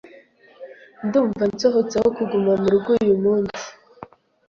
Ndumva nsohotse aho kuguma murugo uyu munsi.